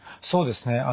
そうですね。